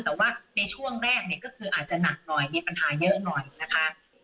แต่ว่าในช่วงแรกเนี่ยก็คืออาจจะหนักหน่อยมีปัญหาเยอะหน่อยนะคะ